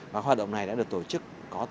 và hoạt động này đã được tổ chức